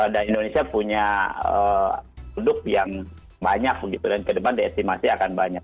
dan indonesia punya produk yang banyak gitu dan ke depan diestimasi akan banyak